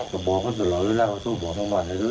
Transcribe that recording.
ก็บอกพ่อสุดหรอกเลยล่ะพ่อสุดบอกทั้งหมดเลย